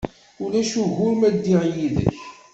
Ulac ugur ma ddiɣ yid-k?